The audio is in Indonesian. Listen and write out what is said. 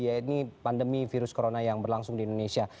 yaitu pandemi virus corona yang berlangsung di indonesia